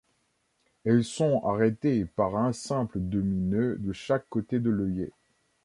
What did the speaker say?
Elles sont arrêtées par un simple demi-nœud de chaque côté de l'œillet.